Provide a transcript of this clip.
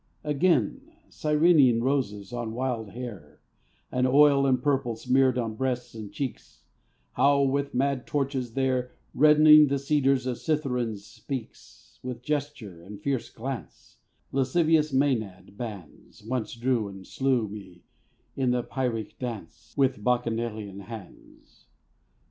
Again: Cyrenian roses on wild hair, And oil and purple smeared on breasts and cheeks, How with mad torches there Reddening the cedars of Cithæron's peaks With gesture and fierce glance, Lascivious Mænad bands Once drew and slew me in the Pyrrhic dance, With Bacchanalian hands.